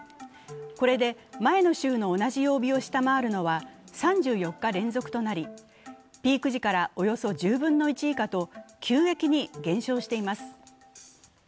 これで前の週の同じ曜日を下回るのは３４日連続となり、ピーク時からおよそ１０分の１以下と急激に減少しています。